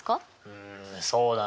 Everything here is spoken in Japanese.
うんそうだな。